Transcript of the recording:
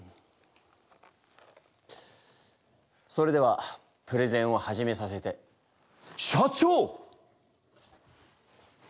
それではプレゼンを始めさせて社長！